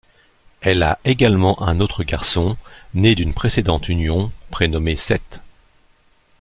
Elle a également un autre garçon, né d'une précédente union, prénommé Seth.